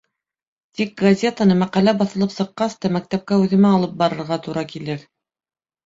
Тик газетаны, мәҡәлә баҫылып сыҡҡас та, мәктәпкә үҙемә алып барырға тура килер.